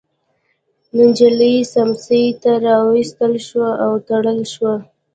نجلۍ سمڅې ته راوستل شوه او تړل شوه.